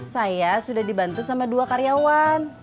saya sudah dibantu sama dua karyawan